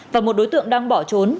và một đối tượng đang bỏ trốn